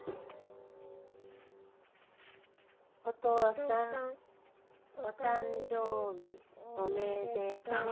お父さんお誕生日おめでとう。